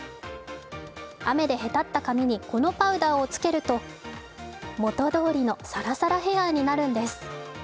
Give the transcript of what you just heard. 雨でへたった髪にこのパウダーをつけると元どおりのサラサラヘアになるんです。